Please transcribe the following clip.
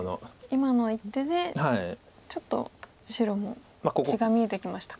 今の一手でちょっと白も地が見えてきましたか。